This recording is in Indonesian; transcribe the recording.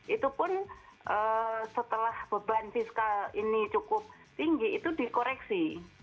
itu pun setelah beban fiskal ini cukup tinggi itu dikoreksi